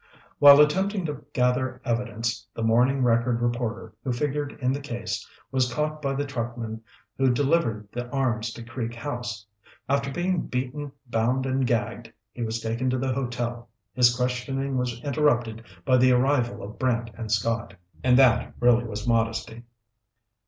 "'While attempting to gather evidence, the Morning Record reporter who figured in the case was caught by the truckmen who delivered the arms to Creek House. After being beaten, bound, and gagged, he was taken to the hotel. His questioning was interrupted by the arrival of Brant and Scott.'" And that really was modesty.